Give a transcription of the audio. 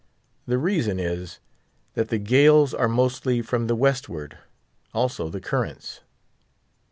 The reason is, that the gales are mostly from the westward, also the currents.